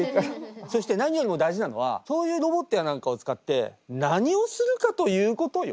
そして何よりも大事なのはそういうロボットや何かを使って何をするかということよ。